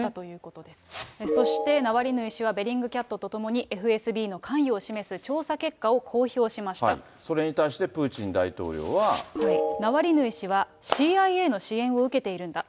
そしてナワリヌイ氏は、ベリングキャットと共にＦＳＢの関与を示す調査結果を公表しましそれに対してプーチン大統領ナワリヌイ氏は、ＣＩＡの支援を受けているんだ。